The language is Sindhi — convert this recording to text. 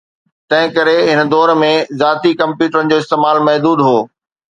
تنهن ڪري، هن دور ۾ ذاتي ڪمپيوٽرن جو استعمال محدود هو